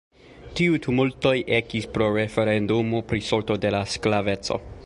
Tiu tumultoj ekis pro referendumo pri sorto de la sklaveco.